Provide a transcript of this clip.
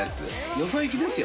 よそゆきですよ